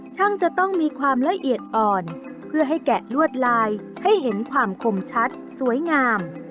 จะต้องมีความละเอียดอ่อนเพื่อให้แกะลวดลายให้เห็นความคมชัดสวยงาม